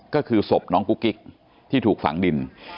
ก็คือศพน้องกุ๊กกิ๊กที่ถูกฝังดิน